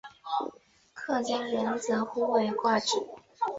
客家人则呼为挂纸。